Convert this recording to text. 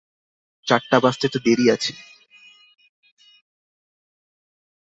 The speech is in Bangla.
চারটা বাজতে তো দেরি আছে।